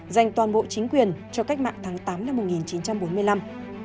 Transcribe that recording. giành toàn bộ chính quyền cho cách mạng tháng tám năm hai nghìn